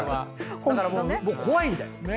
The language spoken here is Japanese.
だからもう怖いんだよ。